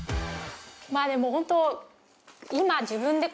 まあでもホント。